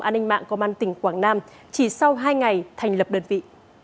an ninh mạng công an tỉnh quảng nam chỉ sau hai ngày thành lập đơn vị